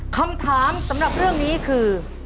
คำถามสำหรับเรื่องนี้คือ